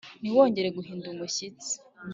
Ntiwongere guhinda umushyitsi